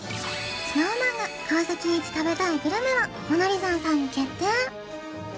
ＳｎｏｗＭａｎが川崎イチ食べたいグルメはモナリザンさんに決定